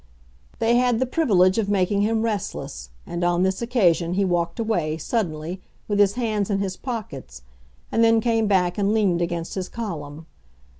They had the privilege of making him restless, and on this occasion he walked away, suddenly, with his hands in his pockets, and then came back and leaned against his column.